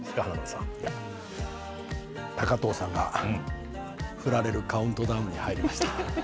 高藤さんが振られるカウントダウンに入りました。